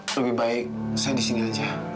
lebih baik saya di sini aja